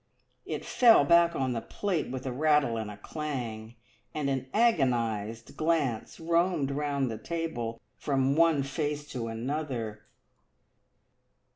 It fell back on the plate with a rattle and clang, and an agonised glance roamed round the table from one face to another.